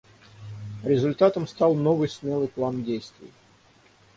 Результатом стал новый смелый план действий.